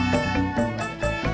mak lu ke mana